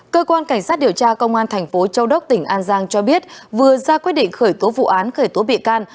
cơ quan cảnh sát điều tra công an thành phố châu đốc tỉnh an giang cho biết vừa ra quyết định khởi tố vụ án khởi tố bị can